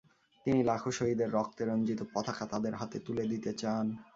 তিনি লাখো শহীদের রক্তে রঞ্জিত পতাকা তাদের হাতে তুলে দিতে চান।